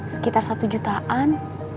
sekitar satu jutaan